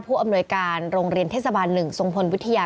อำนวยการโรงเรียนเทศบาล๑ทรงพลวิทยา